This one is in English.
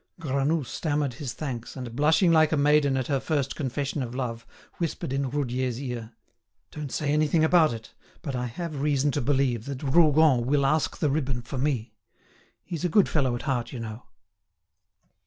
Granoux stammered his thanks, and, blushing like a maiden at her first confession of love, whispered in Roudier's ear: "Don't say anything about it, but I have reason to believe that Rougon will ask the ribbon for me. He's a good fellow at heart, you know."